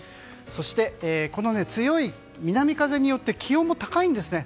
そして、この強い南風によって気温も高いんですね。